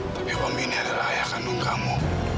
tapi om ini adalah ayah kandung kamu